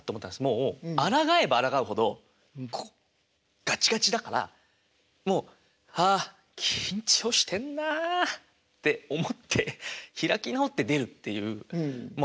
もうあらがえばあらがうほどこうガチガチだからもう「ああ緊張してんなあ」って思って開き直って出るっていうもうあらがわない。